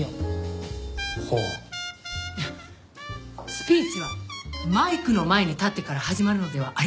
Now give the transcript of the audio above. スピーチはマイクの前に立ってから始まるのではありません。